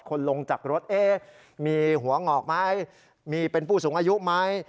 ลงจากรถมีหัวหงอกไหมมีเป็นผู้สูงอายุไหม